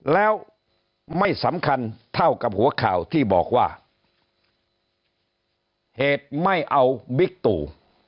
แล้วไม่สำคัญเท่ากับหัวข่าวที่บอกว่าเหตุไม่เอาบิ๊กตู่